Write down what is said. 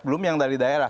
belum yang dari daerah